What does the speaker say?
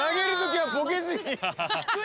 はい。